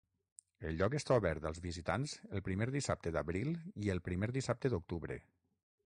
El lloc està obert als visitants el primer dissabte d'abril i el primer dissabte d'octubre.